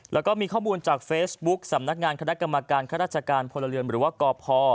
แล้วก็มีข้อมูลจากเฟซบุ๊กสำนักงานคณะกรรมการข้าราชการพลเรือนหรือว่ากพ